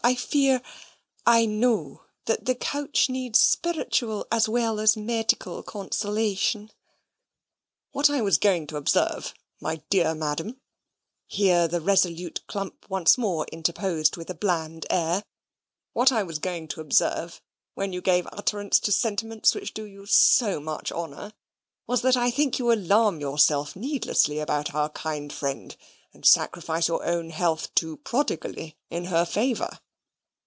I fear, I know, that the couch needs spiritual as well as medical consolation." "What I was going to observe, my dear Madam," here the resolute Clump once more interposed with a bland air "what I was going to observe when you gave utterance to sentiments which do you so much honour, was that I think you alarm yourself needlessly about our kind friend, and sacrifice your own health too prodigally in her favour."